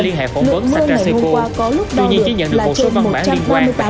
lượng mưa ngày hôm qua có lúc đau lửa